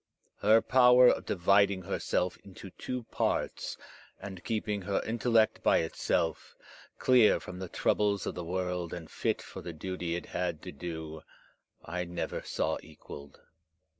Her power of dividing herself into two parts, and keeping her intellect by itself, clear from the troubles of the world and fit for the duty it had to do, I never saw equalled.